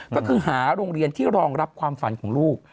ก็คือหาโรงเรียนที่รองรับความฝันของลูก